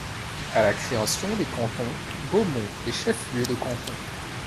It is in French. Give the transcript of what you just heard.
À la création des cantons, Beaumont est chef-lieu de canton.